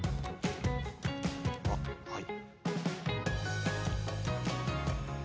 あっはい。